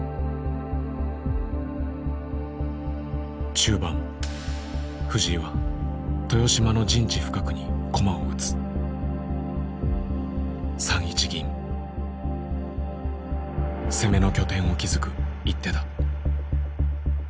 中盤藤井は豊島の陣地深くに駒を打つ攻めの拠点を築く一手だ。